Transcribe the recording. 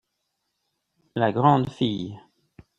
La grande fille.